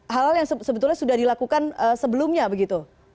hal hal yang sebetulnya sudah dilakukan sebelumnya begitu